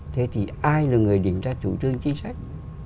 thế thì ai là người định ra chủ trương chính sách